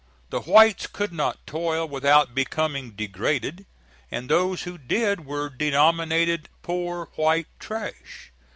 The whites could not toil without becoming degraded, and those who did were denominated "poor white trash."